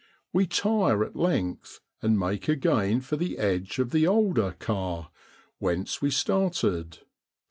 We tire at length, and make again for the edge of the alder 'carr,' whence we started.